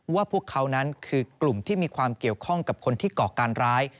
พวกเขานั้นคือกลุ่มที่มีความเกี่ยวข้องกับคนที่ก่อการร้าย